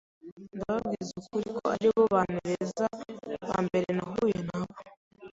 ndababwiza ukuri ko ari bo bantu beza ba mbere nahuye na bo.